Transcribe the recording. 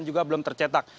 juga belum tercetak